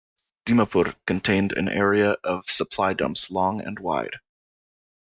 Dimapur contained an area of supply dumps long and wide.